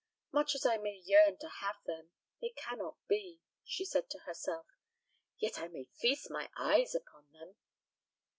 "Much as I may yearn to have them, it cannot be," she said to herself, "yet I may feast my eyes upon them."